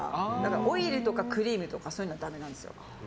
オイルとかクリームとかそういうのはだめなんですよ。